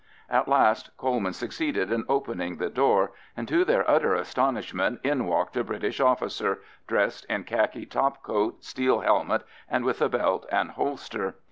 At last Coleman succeeded in opening the door, and to their utter astonishment in walked a British officer, dressed in khaki topcoat, steel helmet, and with a belt and holster.